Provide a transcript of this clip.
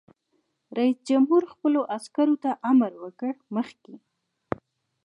رئیس جمهور خپلو عسکرو ته امر وکړ؛ مخکې!